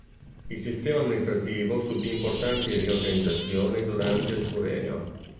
Il sistema amministrativo subì importanti riorganizzazioni durante il suo regno.